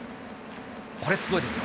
これ、すごいですよ。